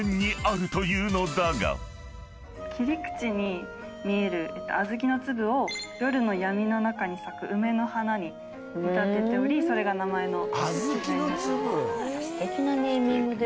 切り口に見える小豆の粒を夜の闇の中に咲く梅の花に見立てておりそれが名前の。